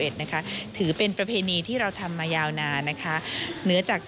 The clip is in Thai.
นะคะถือเป็นประเพณีที่เราทำมายาวนานนะคะเหนือจาก